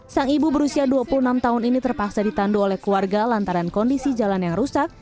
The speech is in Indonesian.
sang ibu berusia dua puluh enam tahun ini terpaksa ditandu oleh keluarga lantaran kondisi jalan yang rusak